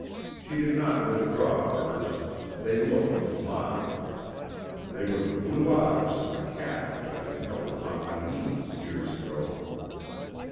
She did not withdraw hers; they looked into mine. They were the blue eyes of the cat which I had held upon my knees years ago.